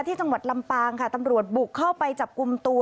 จังหวัดลำปางค่ะตำรวจบุกเข้าไปจับกลุ่มตัว